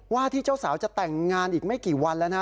ว่าที่เจ้าสาวจะแต่งงานอีกไม่กี่วันแล้วนะ